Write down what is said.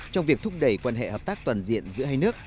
trong việc thúc đẩy quan hệ hợp tác toàn diện giữa hai nước